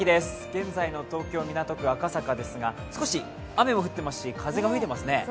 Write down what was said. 現在の東京・港区赤坂ですが、少し雨も降っていますし風も吹いてますね。